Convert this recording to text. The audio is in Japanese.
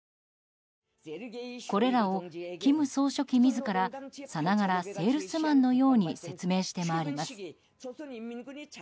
これらを金総書記自らさながらセールスマンのように説明して回ります。